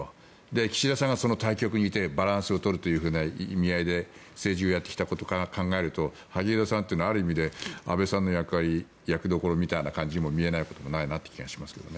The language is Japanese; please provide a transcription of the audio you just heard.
岸田さんがその対極にいてバランスを取るという意味合いで政治をやってきたことを考えると萩生田さんはある意味で安倍さんの役どころみたいな感じも見えないこともないという気がします。